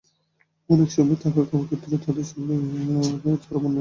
অনেক সময় থাকা-খাওয়ার ক্ষেত্রেও তাদের সঙ্গে চরম অন্যায় আচরণ করা হয়।